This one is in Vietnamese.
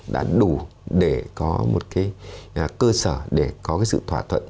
đã đủ để có một cái cơ sở để có cái sự thỏa thuận